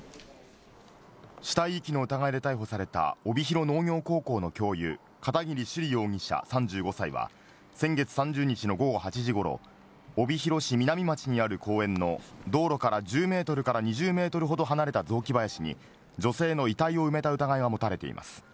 死体遺棄の疑いで逮捕された帯広農業高校の教諭、片桐朱璃容疑者３５歳は、先月３０日の午後８時ごろ、帯広市みなみ町にある公園の道路から１０メートルから２０メートルほど離れた雑木林に、女性の遺体を埋めた疑いが持たれています。